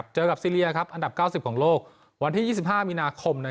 เจอกับซีเรียอันดับ๙๐ของโลกวันที่๒๕มีนาคม